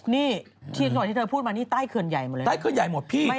นี่ที่ก่อนที่เธอพูดมานี่ใต้เขื่อนใหญ่หมดเลยใต้เขื่อนใหญ่หมดพี่